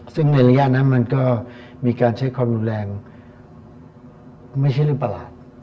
ซึ่งในระยะนั้นมันก็มีการใช้ความรุนแรงไม่ใช่เรื่องประหลาด